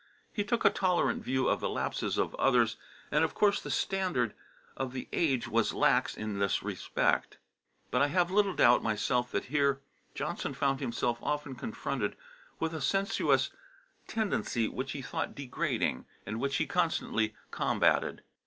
He took a tolerant view of the lapses of others, and of course the standard of the age was lax in this respect. But I have little doubt myself that here Johnson found himself often confronted with a sensuous tendency which he thought degrading, and which he constantly combated.